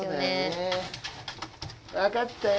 分かったよ